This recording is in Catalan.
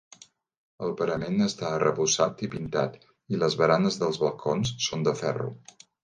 El parament està arrebossat i pintat i les baranes dels balcons són de ferro.